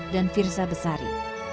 dan firza besari